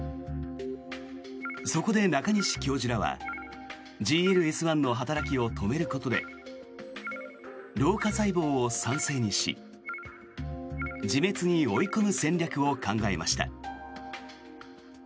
そこで、中西教授らはＧＬＳ１の働きを止めることで老化細胞を酸性にし自滅に追い込む戦略を考えました。